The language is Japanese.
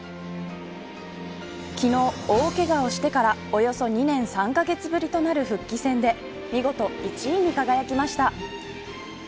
昨日、大けがをしてからおよそ２年３カ月ぶりとなる復帰戦で見事、１位に輝きました。